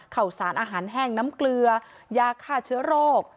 ข่าวสารอาหารแห้งน้ำเกลือยาฆ่าเชื้อโรค